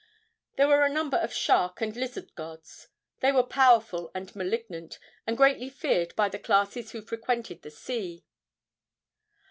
There were a number of shark and lizard gods. They were powerful and malignant, and greatly feared by the classes who frequented the sea.